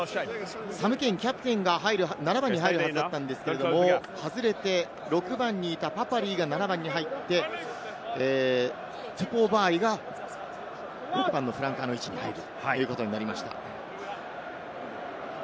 サム・ケイン、キャプテンが入る７番に入るはずだったんですが、外れて、６番にいたパパリイが７番に入って、トゥポウ・ヴァアイがフランカーの位置に入るということになりました。